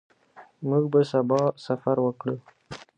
موږ به سبا سفر وکړو.